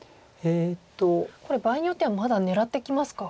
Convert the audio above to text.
これ場合によってはまだ狙ってきますか。